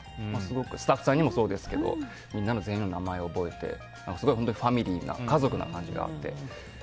スタッフさんにもそうですがみんなの名前を覚えたり本当にファミリーな家族な感じがあって。